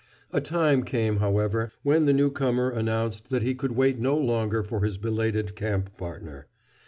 A time came, however, when the newcomer announced that he could wait no longer for his belated camp partner.